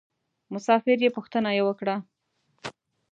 مسافر یې پوښتنه یې وکړه.